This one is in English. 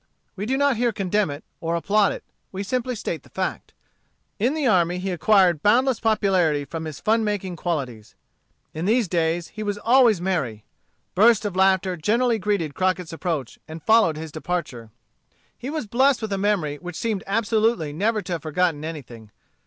We do not here condemn it, or applaud it. We simply state the fact. In the army he acquired boundless popularity from his fun making qualities. In these days he was always merry. Bursts of laughter generally greeted Crockett's approach and followed his departure. He was blessed with a memory which seemed absolutely never to have forgotten anything.